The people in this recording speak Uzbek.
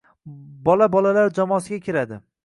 Bola bolalar jamoasiga kiradi.